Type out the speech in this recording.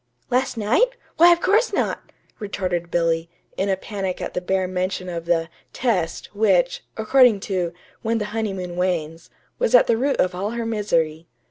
"Last night? Why, of course not," retorted Billy, in a panic at the bare mention of the "test" which according to "When the Honeymoon Wanes" was at the root of all her misery.